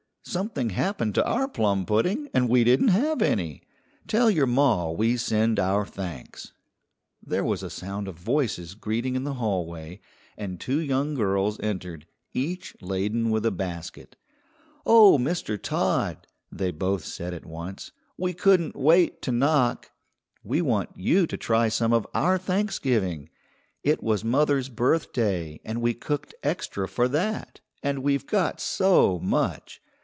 Something happened to our plum pudding, and we didn't have any. Tell your ma we send our thanks." There was a sound of voices greeting in the hallway, and two young girls entered, each laden with a basket. "Oh, Mr. Todd," they both said at once, "we couldn't wait to knock. We want you to try some of our Thanksgiving. It was mother's birthday, and we cooked extra for that, and we've got so much.